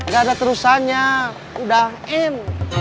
gak ada terusannya udah im